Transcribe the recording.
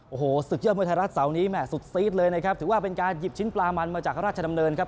โอ้โหศึกยอดมวยไทยรัฐเสาร์นี้แม่สุดซีดเลยนะครับถือว่าเป็นการหยิบชิ้นปลามันมาจากราชดำเนินครับ